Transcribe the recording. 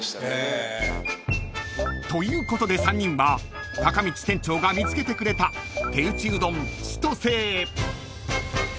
［ということで３人はたかみち店長が見つけてくれた手打うどんちとせへ］